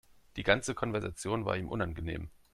Die ganze Konversation war ihm unangenehm.